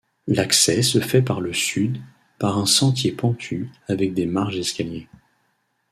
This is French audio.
L'accès se fait par le sud par un sentier pentu avec des marches d'escalier.